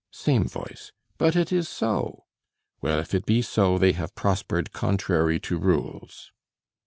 [Same Voice 'But it is so.'] Well, if it be so, they have prospered contrary to rules."